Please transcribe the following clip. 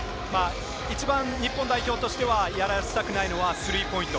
日本代表としてはやらせたくないのはスリーポイント。